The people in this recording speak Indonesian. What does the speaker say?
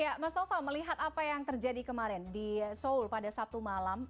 ya mas naufal melihat apa yang terjadi kemarin di seoul pada sabtu malam